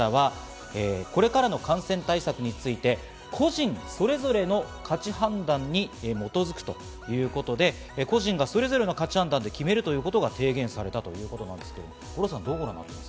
また有志の専門家１８人からはこれからの感染対策について、個人それぞれの価値判断に基づくということで、個人がそれぞれの価値判断で決めるということが提言されたということです、五郎さん。